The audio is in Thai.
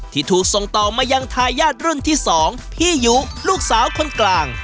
ที่ถูกส่งต่อมายังทายาทรุ่นที่๒พี่ยุลูกสาวคนกลาง